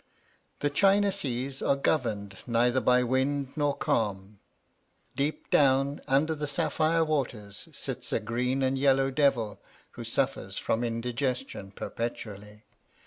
The China seas are governed neither by wind nor calm. Deep down under the sapphire waters sits a green and yellow devil who suffers from indigestion perpetually.